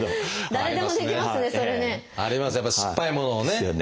ありますねやっぱ酸っぱいものをね。